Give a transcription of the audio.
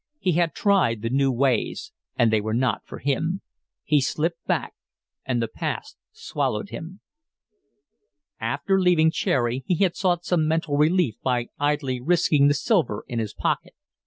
He had tried the new ways, and they were not for him. He slipped back, and the past swallowed him. After leaving Cherry he had sought some mental relief by idly risking the silver in his pocket.